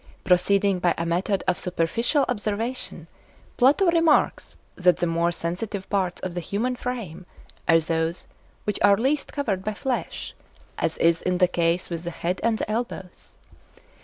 Proceeding by a method of superficial observation, Plato remarks that the more sensitive parts of the human frame are those which are least covered by flesh, as is the case with the head and the elbows.